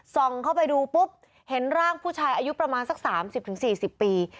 เข้าไปดูปุ๊บเห็นร่างผู้ชายอายุประมาณสัก๓๐๔๐ปี